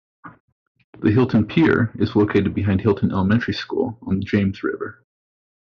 The Hilton Pier is located behind Hilton Elementary School on the James River.